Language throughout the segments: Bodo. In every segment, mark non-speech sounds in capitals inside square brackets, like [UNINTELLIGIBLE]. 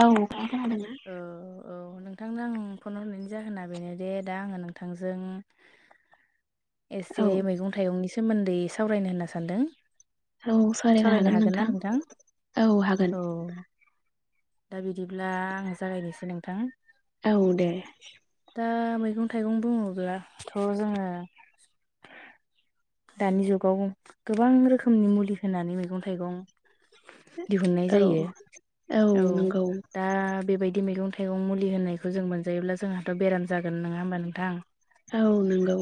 औ औ औ नोंथांनो आं फन हरनायनि जाहोना बेनो दे दा आङो नोंथांजों औ एसे मैगं थाइगंनि सोमोन्दै सावरायनो होनना सानदों सावरायनो हागोन ना नोंथां औ हागोन औ दा बिदिब्ला आं जागायनोसै नोंथां औ दे दा मैगं थाइगं बुङोब्लाथ' जोङो दानि जुगाव गोबां रोखोमनि मुलि होनानै मैगं थाइगं दिहुननाय औ जायो औ दा बेबायदि मैगं थाइगं मुलि होननायखौ जों मोनजायोब्ला जोंहाथ' बेराम जागोन नङा होमबा नोंथां औ नंगौ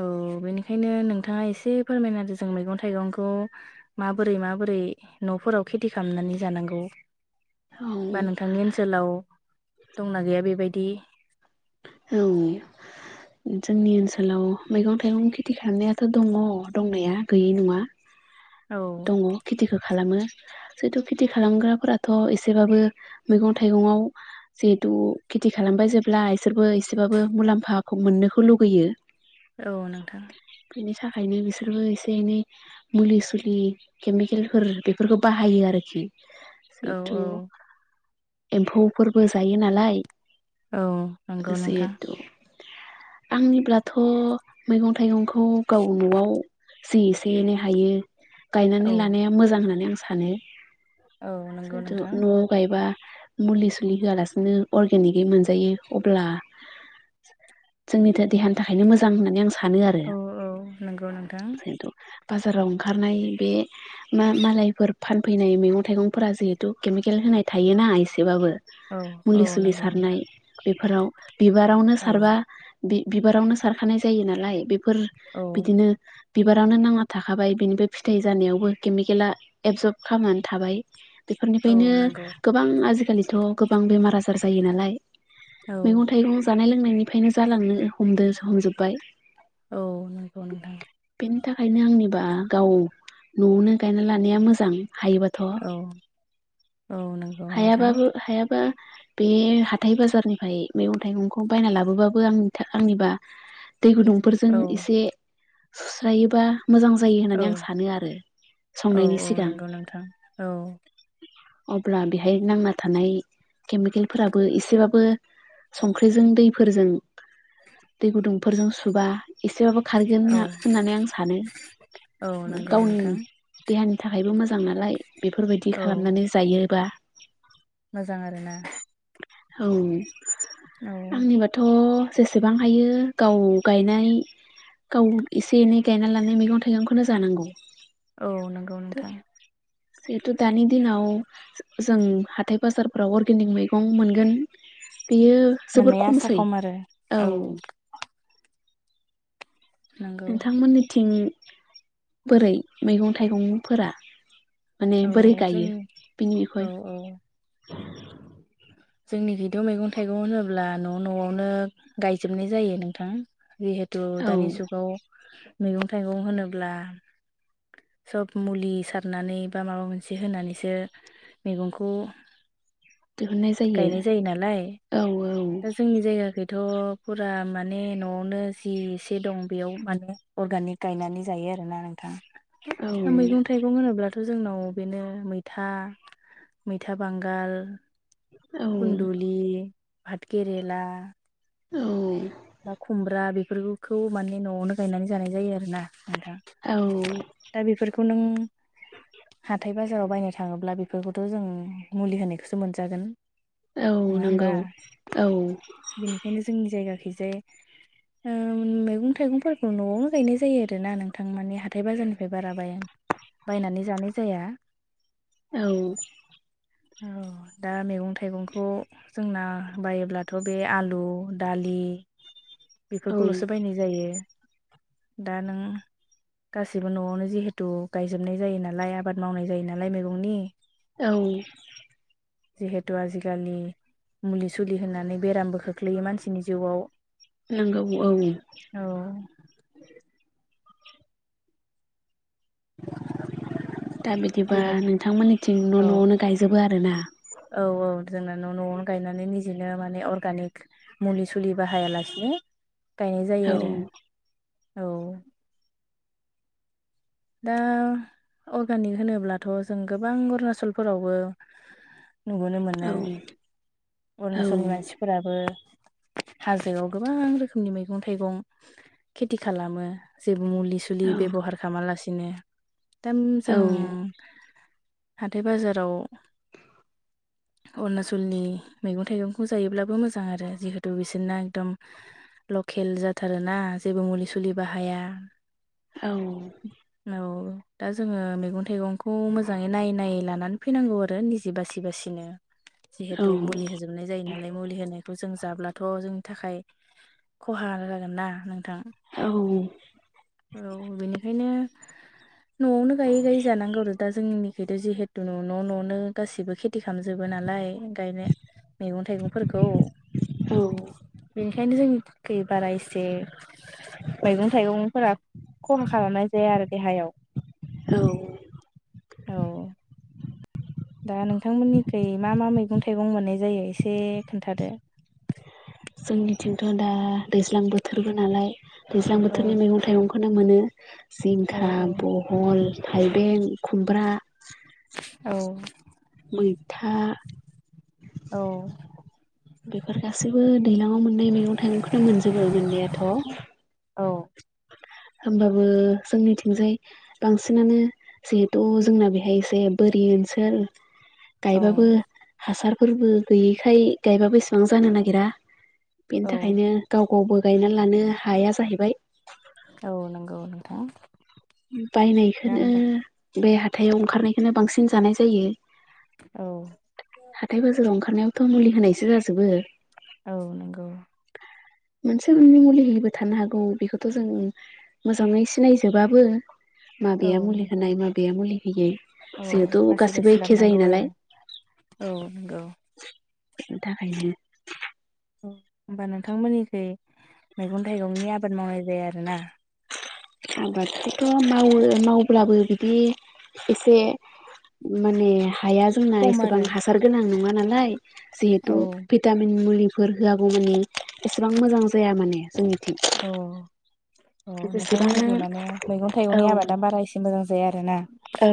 औ बेनिखायनो नोंथाङा एसे फोरमायना आरो जों मैगं थाइगंखौ माबोरै माबोरै न'फोराव खेथि खालामनानै जानांगौ बा औ नोंथांनि ओनसोलाव दंना गैया बेबायदि औ जोंनि ओनसोलाव मैगं थाइगं खेथि खालामनायाथ' दङ दंनाया गैयै नङा औ दङ खेथिखौ खालामो जेहेथु खेथि खालामग्राफोराथ' एसेबाबो मैगं थाइगङाव जिहेतु खेथि खालाम ओमफफ्राय जेब्ला इसोरबो एसेबाबो मुलाम्फाखौ मोननोखौ लुगैयो औ नोंथां बिनि थाखायनो बिसोरबो एसे एनै मुलि सुलि बि केमिकेलफोर बेफोरखौ बाहायो आरोखि औ जिहेथु औ एम्फौफोरबो जायो नालाय औ नंगौ नोंथां जिहेथु आंनिब्लाथ' मैगं थाइगंखौ गाव न'आव जि एसे एनै हायो औ गायनानै लानाया मोजां होननानै आं सानो औ नंगौ जेहेथु नोंथां न'आव गायबा मुलि सुलि होआलासिनो अरगेनिकै मोनजायो अब्ला जोंनि थो देहानि थाखायनो मोजां होननानै आं सा सानो आरो औ औ नंगौ नोंथां जेहेथु बाजाराव ओंखारनाय बे मा मालायफोर फानफैनाय मैगं थाइगं फोरा जिहेतु केमिकेल होनाय थाय नाङा एसेबाबो औ मुलि औ सुलि नंगौ नोंथां सारनाय बेफोराव बिबारावनो औ सारबा बिबारावनो सारखानाय जायो नालाय बे फोर औ बिदिनो बिबारावनो नांना थाखाबाय बिनिफ्राय फिथाइ जानायावबो केमिकेला एबजर्ब खालामनानै थाबाय औ बेफोरनिफ्रायनो नंगौ गोबां आजिखालिथ' गोबां बेमार आजार जायो नालाय औ मैगं थाइगं जानाय लोंनायनिफ्रायनो जालांनो हमदो हमजोबबाय औ नंगौ नोंथां बिनि थाखायनो आंनिबा गाव न'आवनो गायना लानाया मोजां हायोबाथ' औ औ नंगौ नोंथां हायाबाबो हायाबा बे हाथाइ बाजारनिफ्राय मैगं थाइगंखौ बायना लाबोबाबो आंनि था आंनिबा दै गुदुंफोरजों औ एसे सुस्रायोबा मोजां जायो औ होननानै आं सानो आरो औ संनायनि औ सिगां नंगौ नोंथां औ अब्ला बेहाय नांना थानाय केमिकेलफोराबो एसेबाबो संख्रिजों दैफोरजों दै गुदुंफोरजों सुबा एसेबाबो खारगोन औ ना होननानै आं सानो औ नंगौ गावनि नोंथां देहानि थाखायबो मोजां नालाय बेफोरबायदि औ खालामनानै जायोबा मोजां आरोना औ औ आंनिबाथ' जेसेबां हायो गाव गायनाय गाव एसे एनै गायना लानाय मैगं थाइगंखौनो जानांगौ औ नंगौ थ' नोंथां जिहेथु दानि दिनाव जों हाथाय बाजारफोराव अर्गेनिक मैगं मोनगोन बेयो जोबोर माने आसा खमसै खम आरो औ नंगौ नोंथांमोननिथिं बोरै मैगं थाइगंफोरा माने औ बोरै जों गायो बिनि बिखय औ औ जोंनि बिद' मैगं थाइगं होनोब्ला न' न'आवनो गायजोबनाय जायो नोंथां जिहेतु औ दानि जुगाव मैगं थाइगं होनोब्ला सब मुलि सारनानै बा माबा मोनसे होनानैसो मैगंखौ गायनाय जायो नालाय औ दा जोंनि जायगाखै थ' फुरा माने न'आवनो जि एसे दं बेयाव माने अरगानिक गायनानै जायो आरोना नोंथां औ मैगं थाइगं होनोब्लाथ ' जोंनाव बेनो मैथा मैथा बांगाल कुन्दुलि भाट केेरेला औ -फोरखौ माने न'आवनो गायनानै जानाय जायो आरो ना औ फनों हाथाय बाजाराव बायनो थाङोब्ला बेफोरखौथ' जों मुलि होनायखौसो मोनजागोन औ नङा होनबा नंगौ औ बेनिखायनो जोंनि जायगा जे ओ मैगं थाइगंफोरखौ न'आवनो गायनाय जायो आरोना नोंथां माने हाथाय बाजारनिफ्राय बारा बाय बायनानै जानाय जाया औ औ दा मैगं थाइगंखौ जोंना बायोब्लाथ' बे आलु दालि औ बेफोरखौल'सो बायनाय जायो दा नों गासैबो न'आवनो जिहेथु गायजोबनाय जायो नालाय आबाद मावनाय जायो नालाय मैगंनि औ जिहेथु आजिखालि मुलि सुलि होननानै बेरामबो खोख्लैयो मानसिनि जिउआव नोंगौ औ औ [UNINTELLIGIBLE] दा बिदिबा बेनि नोंथांमोननिथिं न' औ न'आवनो गायजोबो आरोना औ औ जोंना न' न'आवनो गायनानै निजेनो माने अर्गानिक मुलि सुलि बाहायालासिनो गायनाय जायो औ आरो औ दा अर्गानिक होनोब्लाथ' जों गोबां अरुणाचलफोरावबो नुबोनो मोनो औ औ अरुणाचलनि मानसिफोराबो हाजोआव गोबां रोखोमनि मैगं थाइगं खेथि खालामो जे मुलि सुलि औ बेब'हार खालामालासिनो दा औ जों हाथाय बाजाराव अरुणाचलनि मैगं थाइगंखौ जायोब्लाबो मोजां आरो जिहेतु बिसोरना एकदम लके खेल जाथारोना जेबो मुलि सुलि बाहाया औ [INAUDIBLE] दा जोंङो मैगन थाइगंखौ मोजांङै नायै नायै लानानै फैनांगौ आरो निजे बासि बासिनो औ जिहेथु मुलि होजोबनाय जायो नालाय मुलि होनाय जों जाब्लाथ' जोंनि थाखाय खहा जागोन ना नों थां औ औ बेनिखायनो न'आवनो गायै गायै जानांगौ आरो दा जोंनिखथ' जिहेतु न' न' न'आवनो गासिबो खे थि खालामजोबो नालाय गायनाय मेगन थाइगंफोरखौ बेनिखायनो जोंनि खै बारा एसे मैगं थाइगंफोरा खहा खालामनाय जाया आरो देहायाव औ दा नोंथांमोननिखै मा मा मैगं थाइगं मोननाय जायो एसे खोन्थादो [INAUDIBLE] जोंनिथिंथ' दा दैज्लां बोथोरबो नालाय दैज्लां औ बोथोरनि मैगं थाइगंखोनो मोनो औ जिंखा बहल थाइबें खुमब्रा औ मैथा औ। बेफोर गासैबो दैलाङाव मोननाय मैगं थाइगंखौनो मोनजोबो मोननायाथ' औ। होमबाबो जोंनिथिंजाय बांसिनानो जिहेथु जोंना बेहाय एसे बोरि। ओनसोल औ गायबो हासार। फोरबो गैयैखाय गायबा इसेबां जानो नागिरा बेनि औ थाखायनो गाव गावबो गायना लानो हाया जाहैबाय। औ नोंगौ नोंथां। दा बायनायखोनो होमबा बे हाथायाव ओंखारनायखोनो बांसिन जानाय जायो। औ हाथाय बाजाराव ओंखारनायावथ' मुलि होनायसो जाजोबो। औ नोंगौ। मोनसे मोननै मुलि होयोबो थानो हागौ बेखौथ' जों मोजांङै सिनायजोबा। बोरो औ माबेया मुलि नंगौ होनाय माबेया मुलि होयो औ जिहेतु बासि गासिबो बासि एखे जायो लाबोनांगौ आरो नालाय। औ नोंगौ। बेनि थाखायनो औ होमबा नोंथांमोननिखै मैगन थाइगंनि आबाद मावनाय जाया आरोना? आबादखौथ' मावो मावब्लाबो बिदि एसे माने हाया जोंना खम एसेबां आरो हासार गोनां नङा नालाय औ जिहेतु भिटामिन मुलि फोर होआगौ मानि एसेबां मोजां जाया माने जोंनिथिं। अ जेसेबां नोंथांमोननिखै माने मैगन औ थाइगंनि आबादा बारा एसे मोजां जाया आरोना? औ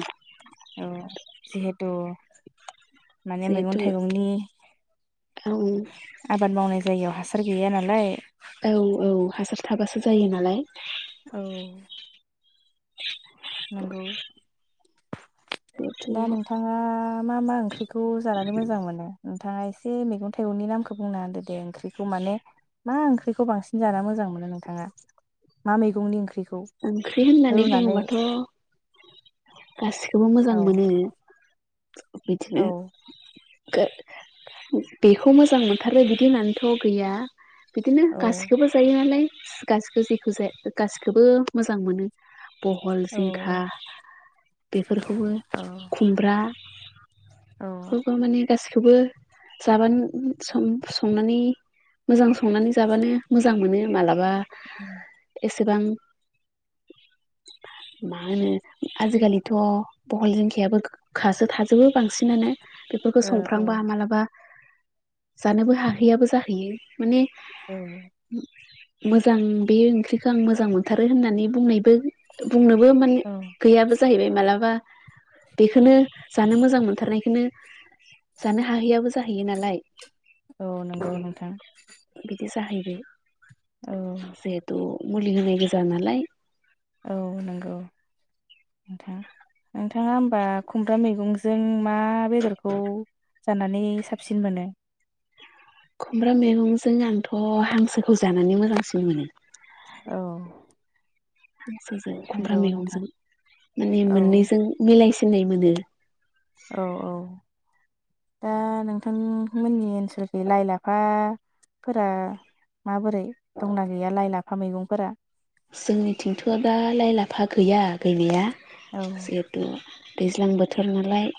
[INAUDIBLE] जिहेथु माने मैगन जिहेथु थाइगंनि औ आबाद मावनाय जायगायाव हासार गैया नालाय? औ औ हासार थाबासो जायो नालाय। औ। नोंगौ। जिहेथु दा नोंथांङा मा मा ओंख्रिखौ जानानै मोजां मोनो थाङा एसे मैगन थाइगंनि नामखौ बुंना होनदो दे ओंख्रिखौ माने मा ओंख्रैखौ बांसिन जा मोजां मोनो नोंथांङा मा मैगंनि ओंख्रै औ ओंख्रि होननानै रुनानै बुङोबाथ' गासिखौबो मोजां औ मोनो औ बिदिनो बेखौ मोजां मोनथारो बिदि होननानैथ' गैया बिदिनो औ गासिखौबो जायो नालाय गासिखौबो जेखौ जाया गासिखौबो मोजां मोनो। बहल औ ओ जिंखा बेफोरखौबो खुमब्रा बा माने गासिखौबो जाबानो सं संनानै मोजां संनानै जाबानो मोजां मोनो मालाबा। [UNINTELLIGIBLE] जेसेबां मा होनो आजिखालिथ' बहल जिंखायाबो गोखासो थाजोबो बांसिनानो बेफोरखौ संफ्रांबा मालाबा जानोबो हाहैयाबो जाहैयो माने औ मोजां बे ओंख्रिखौ आं मोजां मोनथारो होननानै बुंनायबो बुंनोबो माने औ गैयाबो जाहैबाय मालाबा बेखौनो जानो मोजां मोनथारनायखौनो जानो हाहैयाबो जाहैयो नालाय। औ नंगौ नोंथां। बिदि जाहैबाय औ जिहेथु मुलि होननाय गोजा नालाय। औ नंगौ नोंथां नोंथाङा होमबा खुमब्रा मैगंजों मा बेदरखौ जानानै साबसिन मोनो? खुमब्रा मैगंजों आंथ' हांसोखौ जानानै मोजांसिन मोनो। औ हांसोजों खुमब्रा नंगौ मैगंजों नोंथां माने औ मोननैजों मिलाय सिननाय मोनो। औ औ। दा नोंथांमोननि ओनसोलखै लाइ लाफा - -फोरा माबोरै दंना गैया लाइ लाफा मैगंफोरा? जोंनिथिंथ' दा लाइ लाफा गैया गैनाया औ जिहेथु दैज्लां बोथोर नालाय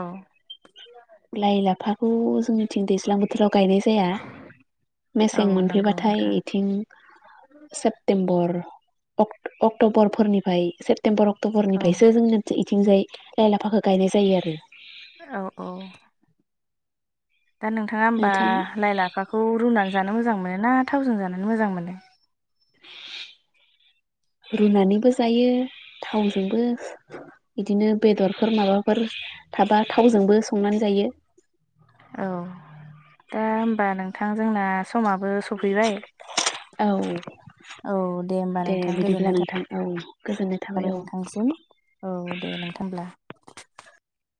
औ लाइ लाफाखौ जोंनिथिं दैज्लां बोथोराव गायनाय जाया औ मेसें नंगौ मोनफैबाथाय नोंथां इथिं सेप्तेम्बर अक अक्ट'बरफोरनिफ्राय सेप्तेम्बर औ अक्ट'बरनिफ्रायसो जोंना -थिंजाय लाइ लाफाखौ गायनाय जायो आरो। औ औ दा नोंथाङा होमबा नोंथां लाइ लाफाखौ रुनानै जानो मोजां मोनोना? थावजों जानानै मोजां मोनो? रुनानैबो जायो। थावजोंबो बिदिनो बेदरफोर माबाफोर थाबा थावजोंबो संनानै जायो। औ दा होमबा नोंथां जोंना समाबो सफैबाय। औ औ होमबा दे नोंथां गोजोननाय बिदिब्ला नोंथां औ गोजोननाय थाबाय औ। औ दे नोंथांब्ला।